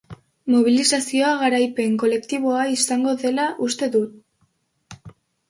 Mobilizazioa garaipen kolektiboa izango dela uste du.